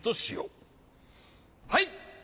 はい！